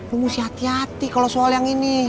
mesti hati hati kalau soal yang ini